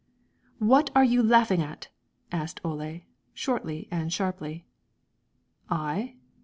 "What are you laughing at?" asked Ole, shortly and sharply. "I?"